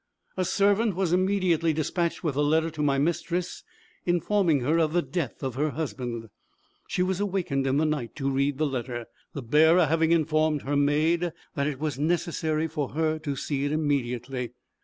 A servant was immediately despatched with a letter to my mistress, informing her of the death of her husband. She was awakened in the night to read the letter, the bearer having informed her maid that it was necessary for her to see it immediately.